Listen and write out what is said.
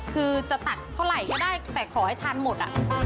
คือจะตัดเท่าไหร่ก็ได้แต่ขอให้ทานหมด